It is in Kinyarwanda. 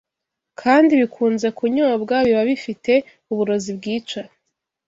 kandi bikunze kunyobwa, biba bifite uburozi bwica.